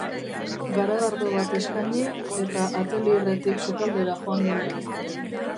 Garagardo bat eskaini, eta atelierretik sukaldera joan ginen.